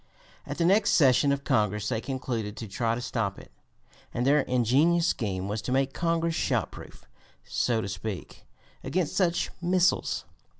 At the next session of Congress they concluded to try to stop it, and their ingenious scheme was to make Congress shot proof, so to speak, against such missiles.